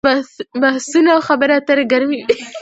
بحثونه او خبرې اترې ګرمې وي.